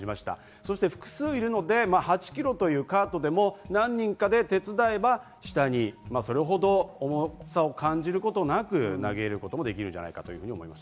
そして複数いるので、８ｋｇというカートでも何人かで手伝えばそれほど重さを感じることなく下に投げることができると思います。